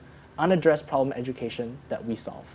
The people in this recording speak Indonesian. pendidikan problem yang tidak diadakan